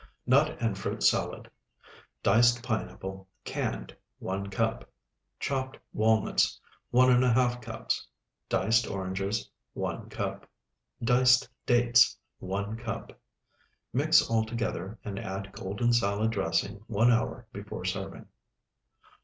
NUT AND FRUIT SALAD Diced pineapple (canned), 1 cup. Chopped walnuts, 1½ cups. Diced oranges, 1 cup. Diced dates, 1 cup. Mix all together, and add golden salad dressing one hour before serving.